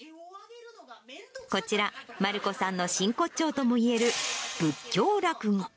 こちら、団姫さんの真骨頂ともいえる仏教落語。